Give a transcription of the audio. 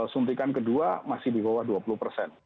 suntikan kedua masih di bawah dua puluh persen